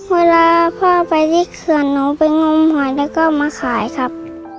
เวลาพ่อไปที่เขื่อนหนูไปงมหอยแล้วก็มาขายครับ